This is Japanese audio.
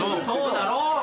そうだろう。